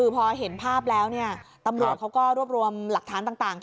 พอเห็นภาพแล้วตำรวจเขาก็รวบรวมหลักฐานต่าง